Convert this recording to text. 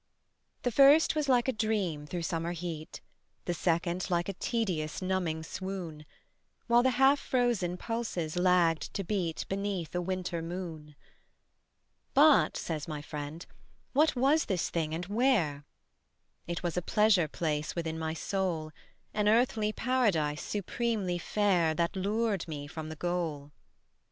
The first was like a dream through summer heat, The second like a tedious numbing swoon, While the half frozen pulses lagged to beat Beneath a winter moon. "But," says my friend, "what was this thing and where?" It was a pleasure place within my soul; An earthly paradise supremely fair That lured me from the goal.